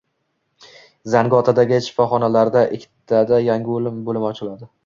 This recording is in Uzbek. Zangiotadagi shifoxonalarida ikkita yangi bo‘lim ochiladi